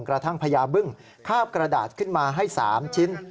พญาบึ้งคาบกระดาษขึ้นมาให้๓ชิ้น